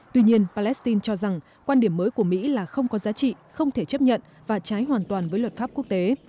tuy nhiên palestine cho rằng quan điểm mới của mỹ là không có giá trị không thể chấp nhận và trái hoàn toàn với luật pháp quốc tế